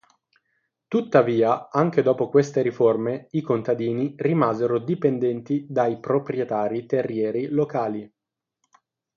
Tuttavia, anche dopo queste riforme i contadini rimasero dipendenti dai proprietari terrieri locali.